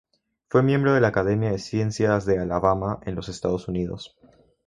Fue miembro de la Academia de Ciencias de Alabama, en los Estados Unidos.